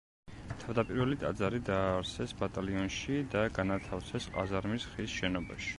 თავდაპირველი ტაძარი დააარსეს ბატალიონში და განათავსეს ყაზარმის ხის შენობაში.